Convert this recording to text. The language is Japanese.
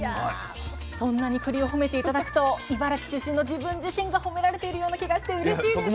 そんなにくりを褒めて頂くと茨城出身の自分自身が褒められているような気がしてうれしいです。